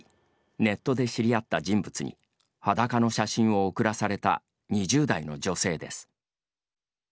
ネットで知り合った人物に裸の写真を送らされた２０代の女性です。